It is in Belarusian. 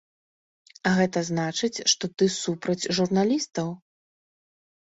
Гэта значыць, што ты супраць журналістаў?